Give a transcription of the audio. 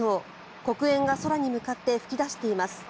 黒煙が空に向かって噴き出しています。